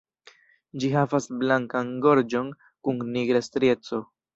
Ĝi havas blankan gorĝon kun nigra strieco.